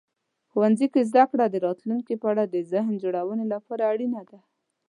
ښوونځي کې زده کړه د راتلونکي په اړه د ذهن جوړونې لپاره اړینه ده.